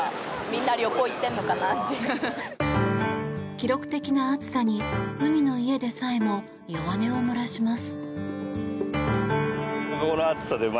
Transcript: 記録的な暑さに海の家でさえも弱音を漏らします。